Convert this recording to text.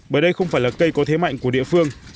bởi đây không phải là cây có thế mạnh của địa phương